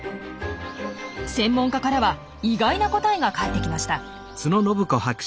専門家からは意外な答えが返ってきました。